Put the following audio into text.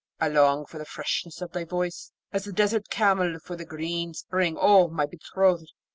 I long for the freshness of thy voice, as the desert camel for the green spring, O my betrothed!'